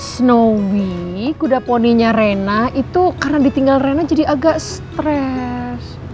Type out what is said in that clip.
snow we kuda poninya rena itu karena ditinggal rena jadi agak stres